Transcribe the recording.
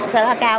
sẽ là cao